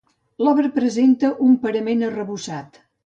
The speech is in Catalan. L'obra presenta un parament arrebossat.